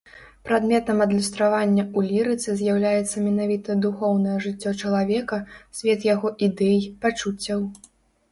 Прадметам адлюстравання ў лірыцы з'яўляецца менавіта духоўнае жыццё чалавека, свет яго ідэй, пачуццяў.